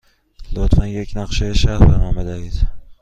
لطفاً یک نقشه شهر به من بدهید.